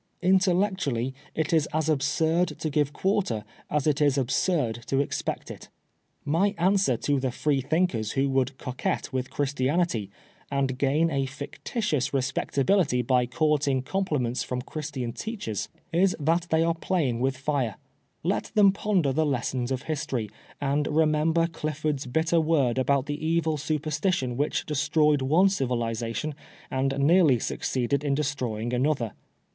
Intellectiially, it IS as absurd to give quarter as it is absurd to expect it My answer to the Freethinkers who would coquet with Christianity, and gain a fictitious respectability by courting com pHments from Christian teachers, is that they are playing with nra Let them ponder the lessons of history, and remember Clifford's bitter word about the evil superstition which destaroyad one civilisation and nearly succeeded in destroying another.